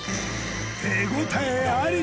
手応えあり。